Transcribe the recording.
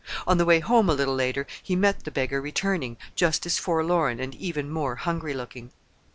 On the way home a little later he met the beggar returning, just as forlorn, and even more hungry looking.